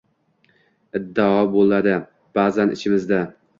Iddao boʻladi baʼzan ichimizda.